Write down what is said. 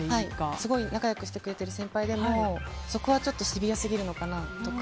すごい仲良くしてくれる先輩でもそこはちょっとシビアすぎるのかなとか。